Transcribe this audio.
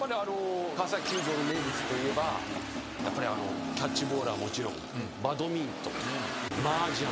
川崎球場の名物といえばやっぱりキャッチボールはもちろんバドミントンマージャン。